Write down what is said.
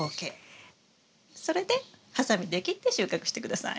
それでハサミで切って収穫して下さい。